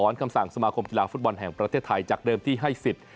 คำสั่งสมาคมกีฬาฟุตบอลแห่งประเทศไทยจากเดิมที่ให้สิทธิ์